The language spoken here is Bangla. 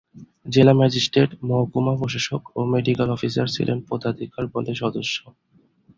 জেলা ম্যাজিস্ট্রেট, মহকুমা প্রশাসক ও মেডিক্যাল অফিসার ছিলেন পদাধিকার বলে সদস্য।